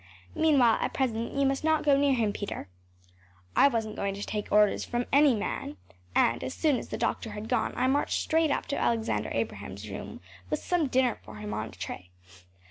Meanwhile, at present, you must not go near him, Peter.‚ÄĚ I wasn’t going to take orders from any man, and as soon as the doctor had gone I marched straight up to Alexander Abraham’s room with some dinner for him on a tray.